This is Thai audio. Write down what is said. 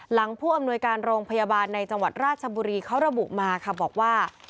ผู้อำนวยการโรงพยาบาลในจังหวัดราชบุรีเขาระบุมาค่ะบอกว่า